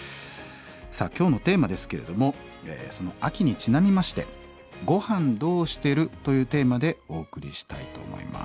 さあ今日のテーマですけれどもその秋にちなみまして「ごはんどうしてる？」というテーマでお送りしたいと思います。